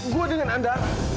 gue dengan anda